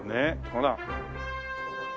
ほら。